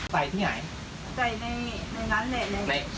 กินแล้วเขาจะง่วง